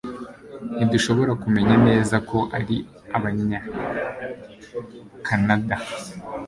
ntidushobora kumenya neza ko ari abanyakanada